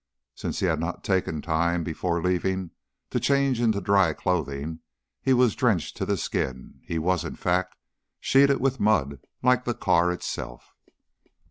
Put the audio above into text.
Since he had not taken time before leaving to change into dry clothing, he was drenched to the skin; he was, in fact, sheeted with mud like the car itself.